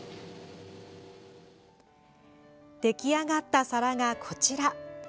出来上がった皿がこちら。